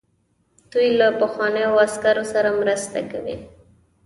دوی له پخوانیو عسکرو سره مرسته کوي.